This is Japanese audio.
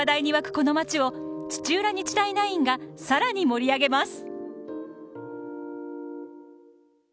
この街を土浦日大ナインがさらに盛り上げます。